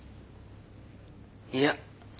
いや。